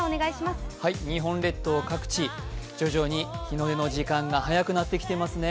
日本列島各地、徐々に日の出の時間が早くなってきていますね。